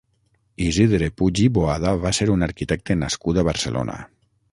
Isidre Puig i Boada va ser un arquitecte nascut a Barcelona.